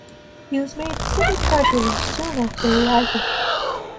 He was made city treasurer soon after arrival.